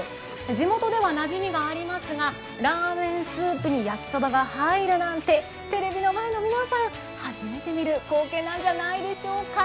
地元ではなじみがありますがラーメンスープに焼きそばが入るなんてテレビの前の皆さん、初めて見る光景ではないでしょうか。